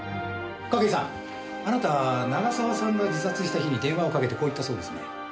筧さんあなた長澤さんが自殺した日に電話をかけてこう言ったそうですね。